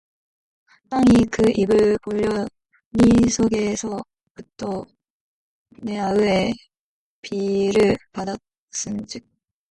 땅이 그 입을 벌려 네 손에서부터 네 아우의 피를 받았은즉